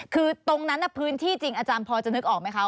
คือตรงนั้นพื้นที่จริงอาจารย์พอจะนึกออกไหมคะ